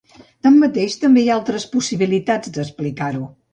Tanmateix també hi ha altres possibilitats d'explicar-ho.